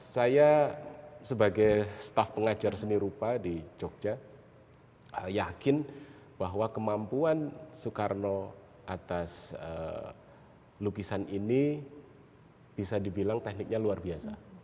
saya sebagai staff pengajar seni rupa di jogja yakin bahwa kemampuan soekarno atas lukisan ini bisa dibilang tekniknya luar biasa